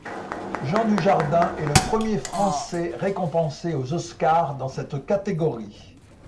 Jean Dujardin est le premier français récompensé aux Oscars dans cette catégorie.